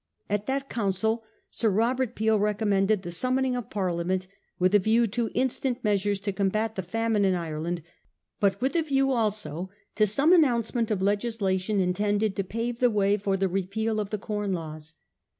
At that council Sir Robert Peel recommended the summoning of Parliament with a view to instant measures to combat the famine in Ireland, but with a view also to some announcement of legislation in tended to pave the way for the repeal of the Corn Laws.